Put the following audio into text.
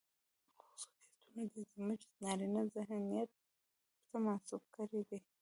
خصوصيتونه دي، چې زموږ نارينه ذهنيت ورته منسوب کړي دي.